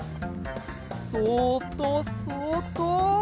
そっとそっと。